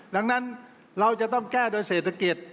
ดังนั้นเราจะต้องแก้โดยเศรษฐกิจ